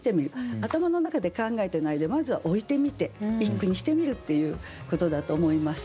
頭の中で考えてないでまずは置いてみて一句にしてみるっていうことだと思います。